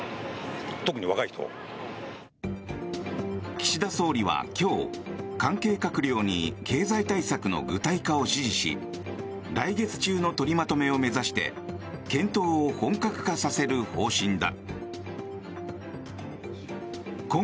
岸田総理は今日、関係閣僚に経済対策の具体化を指示し来月中の取りまとめを目指して検討を本格化させる方針だ。